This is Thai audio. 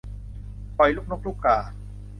ปล่อยลูกนกลูกกา